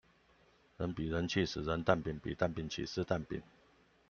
人比人氣死人，蛋餅比蛋餅起司蛋餅